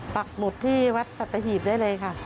ปักหมุดที่วัดสัตหีบได้เลยค่ะ